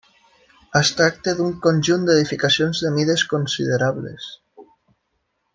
Es tracta d'un conjunt d'edificacions de mides considerables.